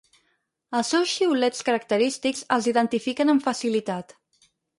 Els seus xiulets característics els identifiquen amb facilitat.